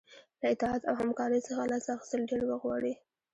له اطاعت او همکارۍ څخه لاس اخیستل ډیر وخت غواړي.